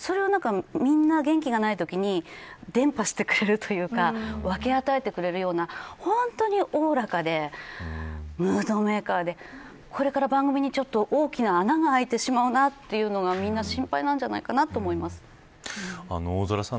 みんなが元気がないときに伝播してくれるというか分け与えてくれるような本当に、おおらかでムードメーカーでこれから番組に大きな穴があいてしまうんだというのがみんな心配だと思います。